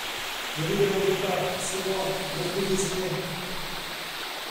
Ne vous dérangez pas… c’est moi, l’oncle Vézinet…